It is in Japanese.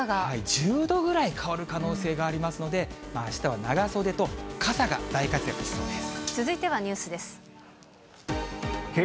１０度ぐらい変わる可能性がありますので、あしたは長袖と傘が大活躍しそうです。